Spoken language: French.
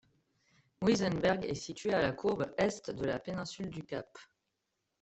Muizenberg est située à la courbe Est de la péninsule du Cap.